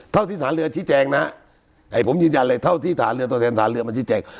เท่าที่ฐานเรือชี้แจงนะไอ้ผมยืนยันเลยเท่าที่ฐานเรือตรวจแทนฐานเรือมาชี้แจง